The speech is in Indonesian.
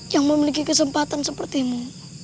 yang memiliki kesempatan sepertimu